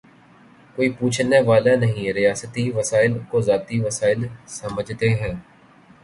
کوئی پوچھنے والا نہیں، ریاستی وسائل کوذاتی وسائل سمجھتے ہیں۔